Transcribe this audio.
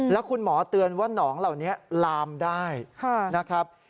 แล้วคุณหมอเตือนว่าหนองเหล่านี้ลามได้นะครับ